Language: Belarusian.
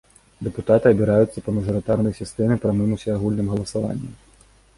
Дэпутаты абіраюцца па мажарытарнай сістэме прамым усеагульным галасаваннем.